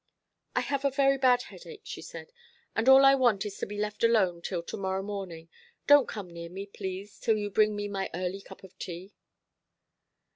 "I have a very bad headache," she said, "and all I want is to be left alone till to morrow morning. Don't come near me, please, till you bring me my early cup of tea."